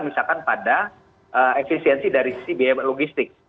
misalkan pada efisiensi dari sisi biaya logistik